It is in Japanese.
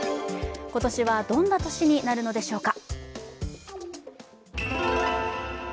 今年は、どんな年になるのでしょうか。